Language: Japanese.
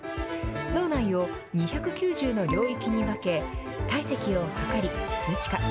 脳内を２９０の領域に分け、体積を量り数値化。